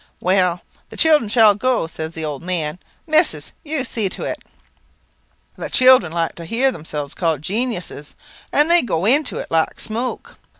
"'Well, the children shall go,' says the old man. 'Missus, you see to it.' "The children like to hear themselves called genuses, and they go into it like smoke.